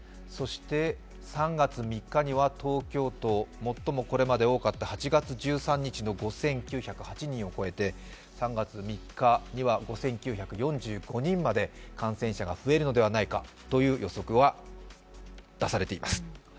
そして３月３日には東京都、最も多かった数を超えて３月３日には５９４９人まで感染者が増えるのではないかという予測が出されています。